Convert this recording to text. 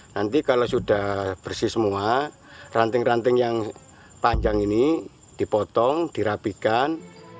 nanti kalau sudah bersih semua ranting ranting yang panjang ini dipotong dirapikan